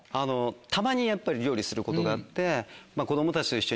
たまにやっぱり料理することがあって。